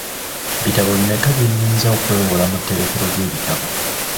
Bitabo bimeka bye ninza okwewola mu tterekero ly'ebitabo?